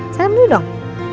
salam dulu dong